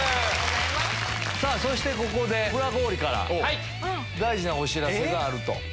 そしてここでブラゴーリから大事なお知らせがあると。